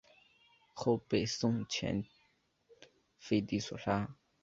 后被宋前废帝所杀。